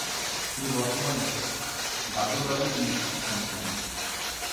তিনি বর্তমানে WWE champion.